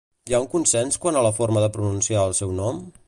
Hi ha un consens quant a la forma de pronunciar el seu nom?